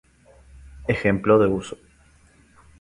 Ejemplo de uso